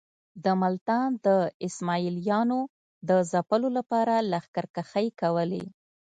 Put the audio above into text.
د ملتان د اسماعیلیانو د ځپلو لپاره لښکرکښۍ کولې.